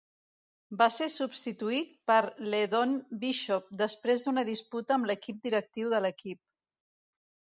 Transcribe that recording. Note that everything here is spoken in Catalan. Va ser substituït per LeDon Bishop després d'una disputa amb l'equip directiu de l'equip.